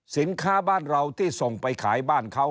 สินค้าบ้านเราที่ส่งไปขายบ้านเขา